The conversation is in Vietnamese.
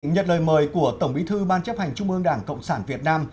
nhận lời mời của tổng bí thư ban chấp hành trung ương đảng cộng sản việt nam